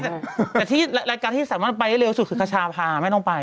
แต่ที่รายการที่สามารถไปได้เร็วสุดคือคชาพาไม่ต้องไป